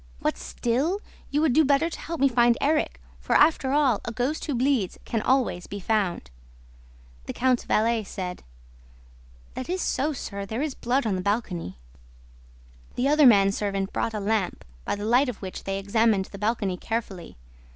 "What, still? You would do better to help me find Erik ... for, after all, a ghost who bleeds can always be found." The count's valet said: "That is so, sir; there is blood on the balcony." The other man servant brought a lamp, by the light of which they examined the balcony carefully.